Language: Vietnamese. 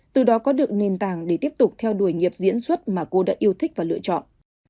từ đó có được nền tảng để tiếp tục theo đuổi nghiệp diễn xuất mà cô đã yêu thích và lựa chọn